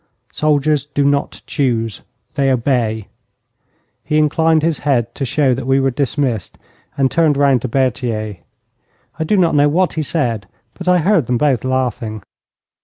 'Soldiers do not choose, they obey.' He inclined his head to show that we were dismissed, and turned round to Berthier. I do not know what he said, but I heard them both laughing.